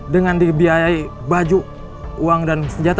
dengan dibiayai baju uang dan senjata